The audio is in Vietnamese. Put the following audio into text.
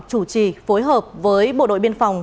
chủ trì phối hợp với bộ đội biên phòng